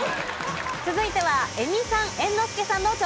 続いては映美さん猿之助さんの挑戦です。